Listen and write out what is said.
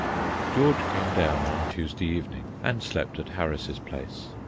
George came down on Tuesday evening, and slept at Harris's place.